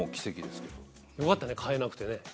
よかったね変えなくてね。